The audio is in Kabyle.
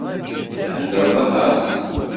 Theddṛeḍ aṭas.